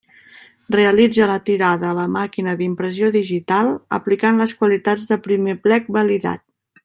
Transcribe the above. Realitza la tirada a la màquina d'impressió digital, aplicant les qualitats del primer plec validat.